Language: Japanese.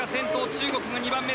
中国が２番目。